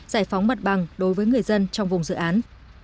giải phóng mặt bằng đối với người dân trong vùng dự án